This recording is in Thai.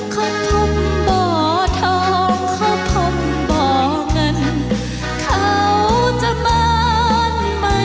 ขอพรมบ่อทองขอพรมบ่อเงินเขาจะมารไมว่า